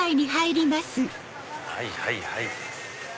はいはいはい。